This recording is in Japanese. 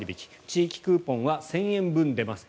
地域クーポンは１０００円分出ます。